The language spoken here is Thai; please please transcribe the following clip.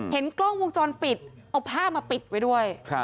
เห็นกล้องวงจรปิดเอาผ้ามาปิดไว้ด้วย